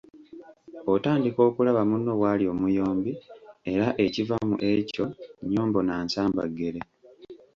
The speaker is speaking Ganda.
Otandika okulaba munno bw'ali omuyombi era ekiva mu ekyo nnyombo na nsambaggere.